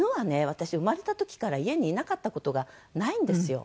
私生まれた時から家にいなかった事がないんですよ。